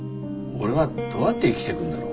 俺はどうやって生きていくんだろう？